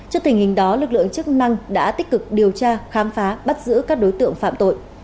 trước tình hình đó lực lượng chức năng đã tích cực điều tra khám phá bắt giữ các đối tượng phạm tội